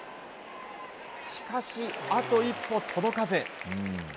しかし、あと一歩届かず。